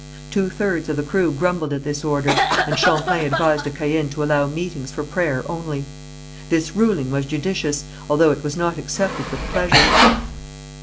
Two thirds of the crew grumbled at this order, and Champlain advised de Caën to allow meetings for prayer only. This ruling was judicious, although it was not accepted with pleasure.